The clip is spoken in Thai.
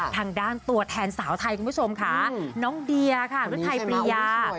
ทางด้านตัวแทนสาวไทยคุณผู้ชมค่ะน้องเดียค่ะฤทัยปรียา